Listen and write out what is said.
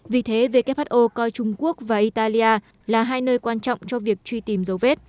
vì thế who coi trung quốc và italia là hai nơi quan trọng cho việc truy tìm dấu vết